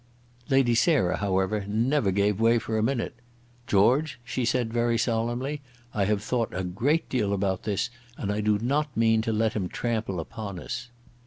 Lady Sarah, however, never gave way for a minute. "George," she said very solemnly, "I have thought a great deal about this, and I do not mean to let him trample upon us."